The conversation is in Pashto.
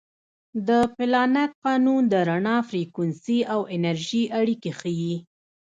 د پلانک قانون د رڼا فریکونسي او انرژي اړیکې ښيي.